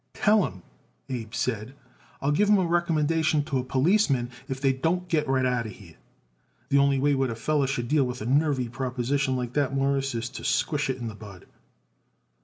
"Tell 'em," Abe said, "I'll give 'em a recommendation to a policeman if they don't get right out of here. The only way what a feller should deal with a nervy proposition like that, Mawruss, is to squash it in the bud."